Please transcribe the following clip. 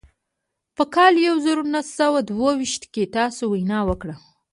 په کال يو زر و نهه سوه دوه ويشت کې تاسې وينا وکړه.